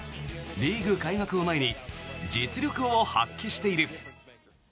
リーグ開幕を前に実力を発揮している。